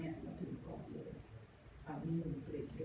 เราถึงก่อนเลยอ่ะมีมันเกรดเยอะ